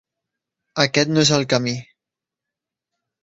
Aquest no és el camí.